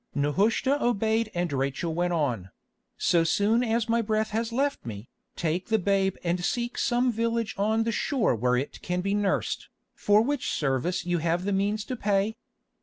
Nehushta obeyed and Rachel went on: "So soon as my breath has left me, take the babe and seek some village on the shore where it can be nursed, for which service you have the means to pay.